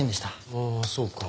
ああそうか。